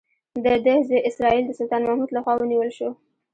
د ده زوی اسراییل د سلطان محمود لخوا ونیول شو.